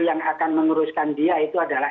yang akan menguruskan dia itu adalah